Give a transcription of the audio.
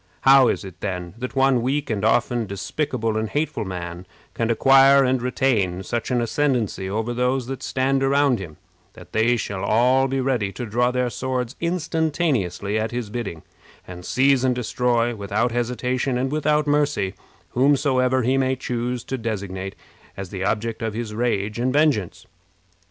How is it, then, that one weak and often despicable and hateful man can acquire and retain such an ascendency over those that stand around him, that they shall all be ready to draw their swords instantaneously at his bidding, and seize and destroy, without hesitation and without mercy, whomsoever he may choose to designate as the object of his rage and vengeance?